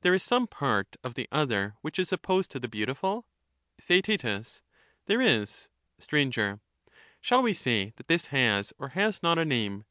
There is some part of the other which is opposed to the beautiful ? Theaet. There is. Str. Shall we say that this has or has not a name